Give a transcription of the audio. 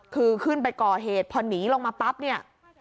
คือขึ้นไปก่อเหตุพอหนีลงมาปั๊บเนี่ย